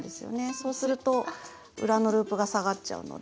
そうすると裏のループが下がっちゃうので。